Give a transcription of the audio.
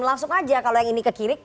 langsung aja kalau yang ini ke kiri